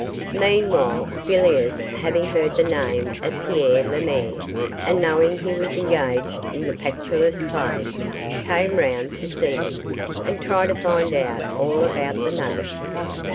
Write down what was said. Meanwhile, Villiers having heard the name of Pierre Lemaire, and knowing he was engaged in the Pactolus claim, came round to see him and try to find out all about the nugget.